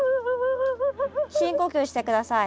深呼吸して下さい。